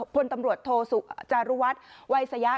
พลตำรวจโทสุจารุวัฒน์วัยสยะ